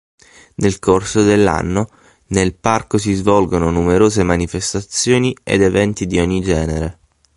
Nel corso dell'anno nel parco si svolgono numerose manifestazioni ed eventi di ogni genere.